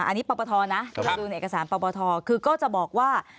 อันนี้ปปทนะเวลาดูในเอกสารปปทคือก็จะบอกว่า